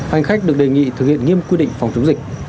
hành khách được đề nghị thực hiện nghiêm quy định phòng chống dịch